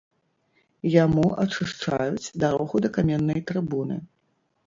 Яму ачышчаюць дарогу да каменнай трыбуны.